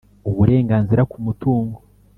uburenganzira ku mutungo